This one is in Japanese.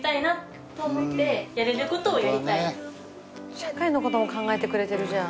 社会のことも考えてくれてるじゃん。